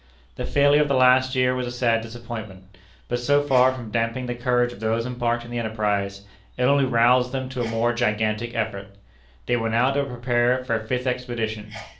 The failure of the last year was a sad disappointment; but so far from damping the courage of those embarked in the enterprise, it only roused them to a more gigantic effort. They were now to prepare for a fifth expedition.